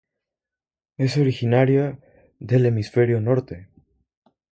Es originaria del Hemisferio Norte.